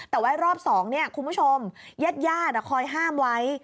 แต่ว่ารอบสองนี่คุณผู้ชมแย่ดคอยห้ามไว้